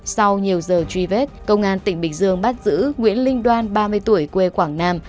sau nhiều giờ truy vết công an tỉnh bình dương bắt giữ nguyễn linh đoan ba mươi tuổi quê quảng nam